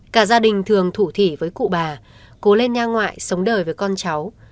cả gia đình thường thủ với cụ bà cố lên nha ngoại sống đời với con cháu